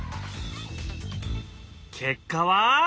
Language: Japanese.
結果は？